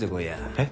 えっ？